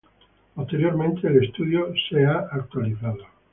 Posteriormente el estudio se ha actualizado.